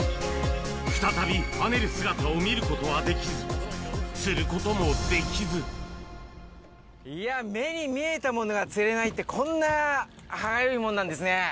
再び跳ねる姿を見ることはでいや、目に見えたものが釣れないって、こんな歯がゆいもんなんですね。